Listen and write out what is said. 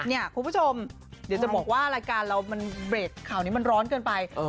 คุณผู้ชมเดี๋ยวจะบอกว่ารายการเรามันเบรกข่าวนี้มันร้อนเกินไป